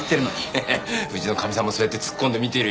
ハハッうちのかみさんもそうやってツッコんで見てるよ。